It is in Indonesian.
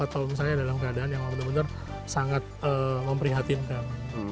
atau misalnya dalam keadaan yang benar benar sangat memprihatinkan